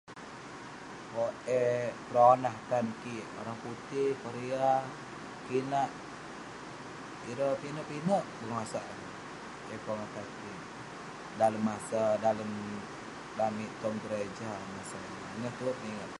Owk eh peronah tan kik orang putih, korea, kinak. Ireh pinek-pinek bengosak yah pongah tan kik, dalem masa dalem amik tong gereja masa ineh. Ineh tue keningat.